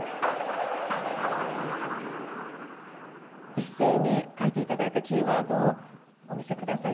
一斉に書いて頂いたキーワードをお見せ下さい。